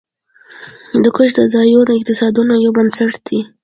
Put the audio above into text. هندوکش د ځایي اقتصادونو یو بنسټ دی.